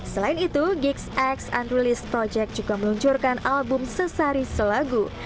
selain itu gigs x unrilis project juga meluncurkan album sesari selagu